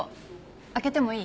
開けてもいい？